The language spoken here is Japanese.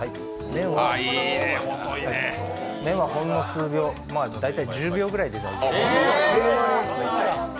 麺はほんの数秒、大体１０秒くらいで大丈夫です。